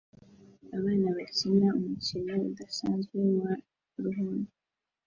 abana bakina umukino udasanzwe wa ruhago